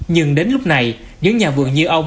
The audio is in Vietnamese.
nhưng đến lúc này những nhà vườn như ông